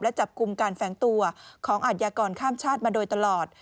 และจับกลุ่มการแฝงตัวของอาทยากรข้ามชาติมาโดยตลอด